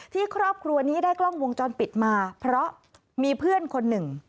ครอบครัวนี้ได้กล้องวงจรปิดมาเพราะมีเพื่อนคนหนึ่ง